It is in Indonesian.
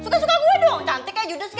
gak suka gue dong cantik kayak judas